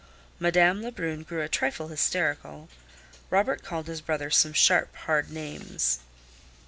Madame Lebrun grew a trifle hysterical; Robert called his brother some sharp, hard names.